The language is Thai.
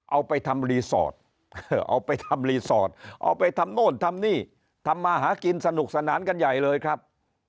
เอาไปทำรีสอร์ตเอาไปทำโน่นทำหนี้ทำมาหากินสนุกสนานกันใหญ่เลยครับ